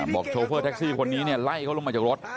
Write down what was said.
บอกโชเฟอร์แท็กซี่คนนี้ไล่เขาลงมาจากรถ